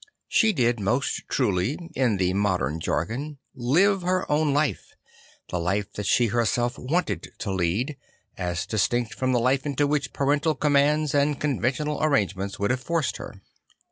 She did most truly, in the modern jargon, live her o\Vll life J the life that she herself wanted to lead, as distinct from the life into which parental commands and conventional arrangements would have forced her.